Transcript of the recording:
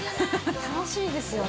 楽しいですよね。